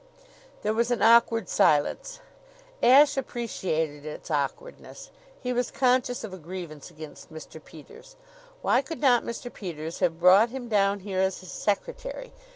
There was an awkward silence. Ashe appreciated its awkwardness. He was conscious of a grievance against Mr. Peters. Why could not Mr. Peters have brought him down here as his secretary?